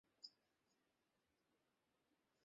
আমার ডানে নাকি তোমার ডানে?